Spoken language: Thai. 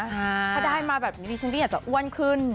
ถ้าได้มาแบบนี่อาจจะอ้วนขึ้น